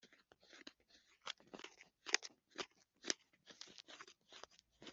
Ararisubiza ati “Nagize ishyaka ryinshi ry’Uwiteka Imana Nyiringabo